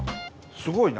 すごいな。